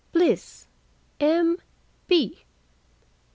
"Bliss. M. B.